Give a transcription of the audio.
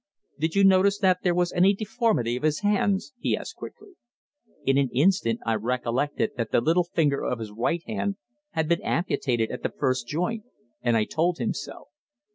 "Did you notice that there was any deformity of his hands?" he asked quickly. In an instant I recollected that the little finger of his right hand had been amputated at the first joint, and I told him so.